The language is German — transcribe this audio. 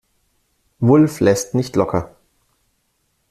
Wulff lässt nicht locker.